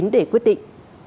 để quyết định